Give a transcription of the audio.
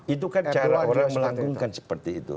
itu kan cara orang melanggungkan seperti itu